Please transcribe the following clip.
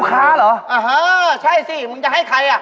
เราใช่ไม่ใช่ที่มันไขอด